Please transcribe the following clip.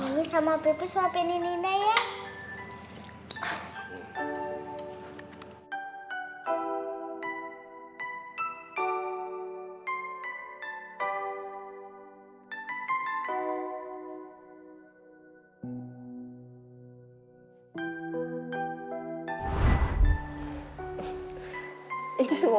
mimi sama pipi suapinin ibu ya